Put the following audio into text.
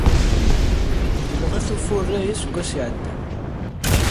Yenɣa-t ufurray aseggas iɛeddan.